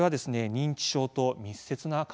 認知症と密接な関係があるんですね。